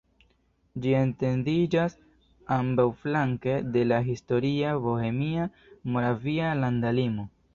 Ĝi etendiĝas ambaŭflanke de la historia bohemia-moravia landa limo.